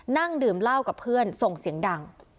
นั่งดื่มเหล้ากับเพื่อนส่งเสียงดัง